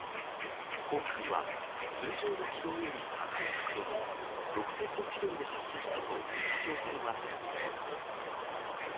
今回は、通常の軌道より高い角度のロフテッド軌道で発射したと、北朝鮮は説明。